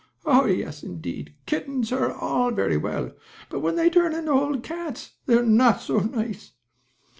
Oh, yes, indeed, kittens are all very well, but when they turn into old cats they're not so nice."